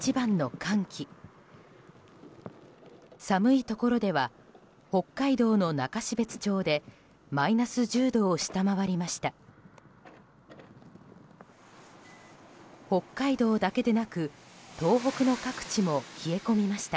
寒いところでは北海道の中標津町でマイナス１０度を下回りました。